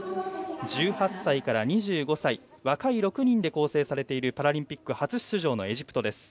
１８歳から２５歳と若い６人で構成されているパラリンピック初出場のエジプト。